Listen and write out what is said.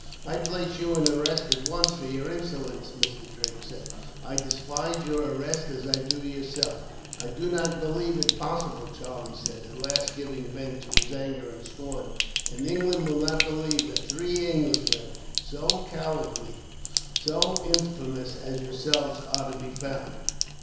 "I place you in arrest at once, for your insolence," Mr. Drake said. "I despise your arrest, as I do yourself. "I did not believe it possible," Charlie said, at last giving vent to his anger and scorn; "and England will not believe, that three Englishmen so cowardly, so infamous as yourselves, are to be found.